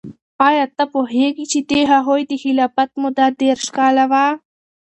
آیا ته پوهیږې چې د هغوی د خلافت موده دیرش کاله وه؟